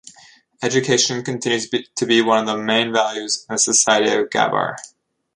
Education continues to be one of the main values in the society of Gavar.